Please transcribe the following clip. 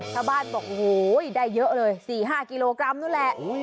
ชาวบ้านบอกโอ้โหได้เยอะเลย๔๕กิโลกรัมนู้นแหละ